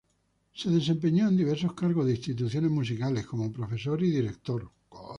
Se desempeñó en diversos cargos en instituciones musicales como profesor y director.